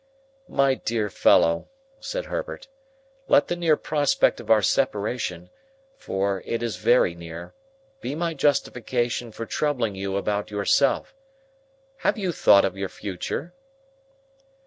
"My dear fellow," said Herbert, "let the near prospect of our separation—for, it is very near—be my justification for troubling you about yourself. Have you thought of your future?"